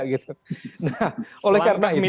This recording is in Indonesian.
nah oleh karena itu